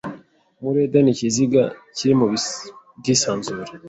muri Edeni Ikiziga kiri mu bwisanzure